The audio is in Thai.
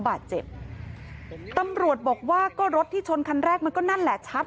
บาดเจ็บตำรวจบอกว่าก็รถที่ชนคันแรกมันก็นั่นแหละชัด